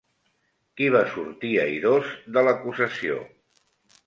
Qui va sortir airós de l'acusació?